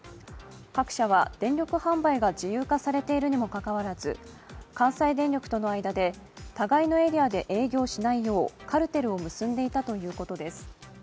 各社は電力販売が自由化されているにもかかわらず、関西電力との間で互いのエリアで営業しないようカルテルを結んでいたということです。